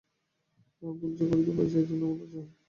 আমরা ভুল যে করিতে পারিয়াছি, এজন্য আমাদের জয় হউক।